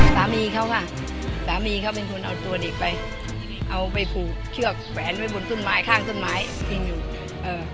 สามีเค้าค่ะสามีเค้าเป็นคนเอาตัวเด็กไปเอาไปผูกเครือกแฟนไว้บนศุ่นย์หมายข้างศุ่นย์หมายเอ่อ